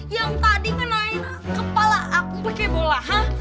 yang tadi ngenain kepala aku pakai bola